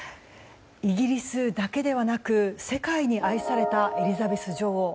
イギリスだけではなく世界に愛されたエリザベス女王。